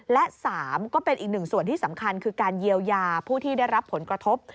และ๓ก็เป็นอีกหนึ่งส่วนที่สำคัญคือการเยียวยาผู้ที่ได้รับผลกระทบ